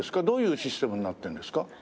どういうシステムになってるんですか？